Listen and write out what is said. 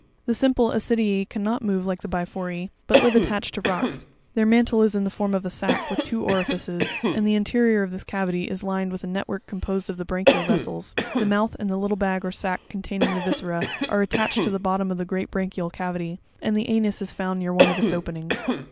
28. The simple Ascrprm cannot move like the Biphore, but live attached to rocks; their mantle is in the form of a sack, with two orifices, and the interior of this cavity is lined with a net work composed of the branchial vessels; the mouth and the little bag or sack containing the viscera, are attached to the bot tom of the great branchial cavity, and the anus is found near one of its openings.